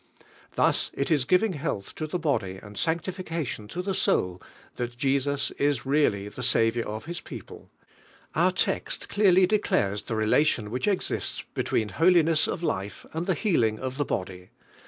Thus it is giving health to Ilie body and snncl Location to the soul thai Jesus is really the Saviour of ilis j pie. Our text clearly declares the relation which exists between holiness of life and the healing of the body.